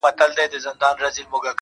زما زنده گي وخوړه زې وخوړم_